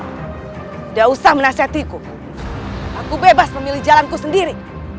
udah usah menasihatiku aku bebas memilih jalanku sendiri